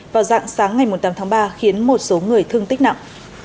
vào dạng sáng ngày một mươi tám tháng ba khiến một số người thương tích nặng